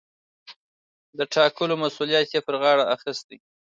د ټاکلو مسووليت يې پر غاړه اخىستى.